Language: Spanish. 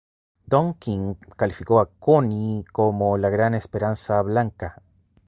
Don King calificó a Cooney como "La gran esperanza blanca".